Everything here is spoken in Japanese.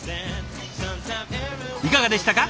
いかがでしたか？